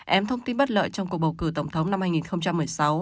em thông tin bất lợi trong cuộc bầu cử tổng thống năm hai nghìn một mươi sáu